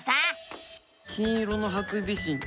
金色のハクビシン